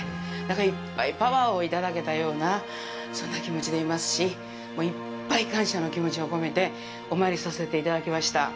いっぱいパワーをいただけたような、そんな気持ちでいますし、もういっぱい感謝の気持ちを込めてお参りさせていただきました。